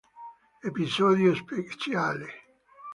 Episodio speciale